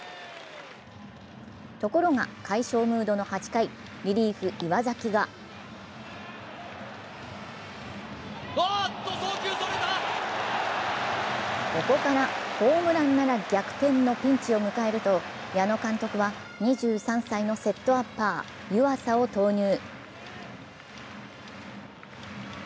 ところが快勝ムードの８回リリーフ・岩崎がここから、ホームランなら逆転のピンチを迎えると矢野監督は２３歳のセットアッパー・湯浅を投入。